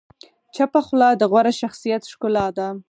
چپه خوله، د غوره شخصیت ښکلا ده.